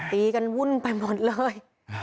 ตีกันวุ่นไปหมดเลย